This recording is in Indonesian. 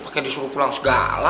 pake disuruh pulang segala